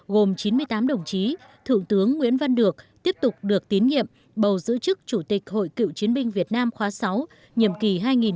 gồm chín mươi tám đồng chí thượng tướng nguyễn văn được tiếp tục được tín nhiệm bầu giữ chức chủ tịch hội cựu chiến binh việt nam khóa sáu nhiệm kỳ hai nghìn một mươi chín hai nghìn hai mươi một